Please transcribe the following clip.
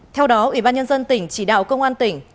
theo đó ủy ban nhân dân tỉnh chỉ đạo công an tỉnh